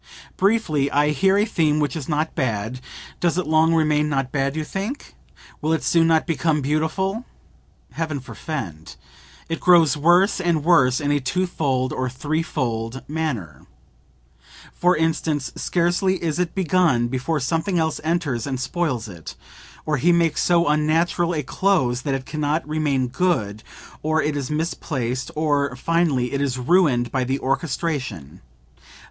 Briefly, I hear a theme which is not bad; does it long remain not bad think you? will it not soon become beautiful? Heaven forefend! It grows worse and worse in a two fold or three fold manner; for instance scarcely is it begun before something else enters and spoils it; or he makes so unnatural a close that it can not remain good; or it is misplaced; or, finally, it is ruined by the orchestration.